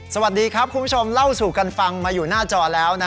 สวัสดีครับคุณผู้ชมเล่าสู่กันฟังมาอยู่หน้าจอแล้ว